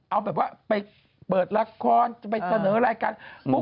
เอาแบบว่าไปเปิดละครจะไปเสนอรายการปุ๊บ